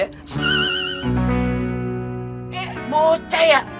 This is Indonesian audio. eh bocah ya